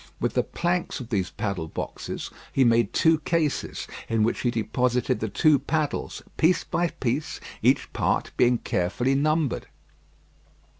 With the planks of these paddle boxes, he made two cases in which he deposited the two paddles, piece by piece, each part being carefully numbered.